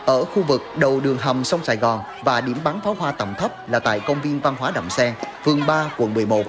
ở khu vực đầu đường hầm sông sài gòn và điểm bắn pháo hoa tầm thấp là tại công viên văn hóa đầm xen phường ba quận một mươi một